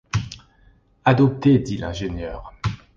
Adopté, dit l’ingénieur.